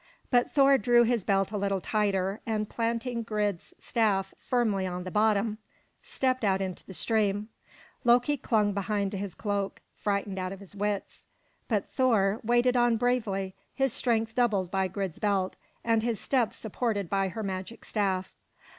But Thor drew his belt a little tighter, and planting Grid's staff firmly on the bottom, stepped out into the stream. Loki clung behind to his cloak, frightened out of his wits. But Thor waded on bravely, his strength doubled by Grid's belt, and his steps supported by her magic staff.